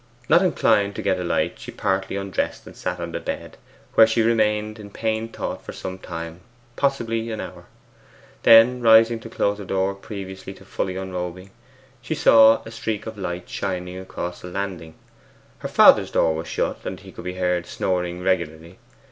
Not inclined to get a light, she partly undressed and sat on the bed, where she remained in pained thought for some time, possibly an hour. Then rising to close her door previously to fully unrobing, she saw a streak of light shining across the landing. Her father's door was shut, and he could be heard snoring regularly.